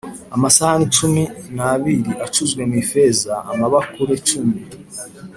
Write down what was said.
amasahani cumi n abiri acuzwe mu ifeza amabakure cumi